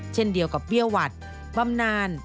เช่นเดียวกับเบี้ยหวัดบำนาน